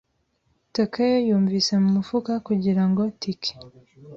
Takeo yumvise mumufuka kugirango tike.